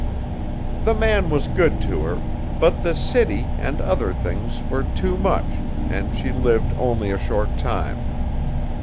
The man was good to her; but the city, and other things, were too much, and she lived only a short time.